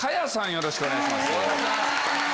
よろしくお願いします。